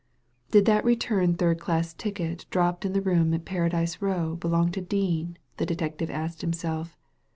'' Did that return third class ticket dropped in the room at Paradise Row belong to Dean ?" the detective asked himself.